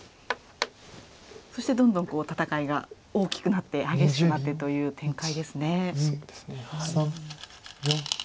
そしてどんどん戦いが大きくなって激しくなってという展開ですね。